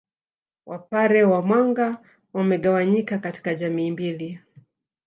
Wapare wa Mwanga wamegawanyika katika jamii mbili